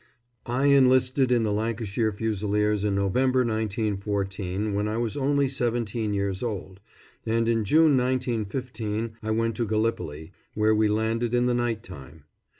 ] I enlisted in the Lancashire Fusiliers in November 1914, when I was only seventeen years old, and in June 1915 I went to Gallipoli, where we landed in the night time.